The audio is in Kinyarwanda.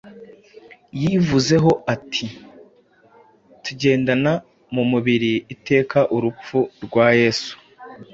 Yivuzeho ati: “Tugendana mu mubiri iteka urupfu rwa Yesu,